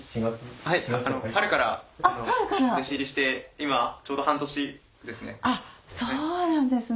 はい春から弟子入りして今ちょうど半年ですね。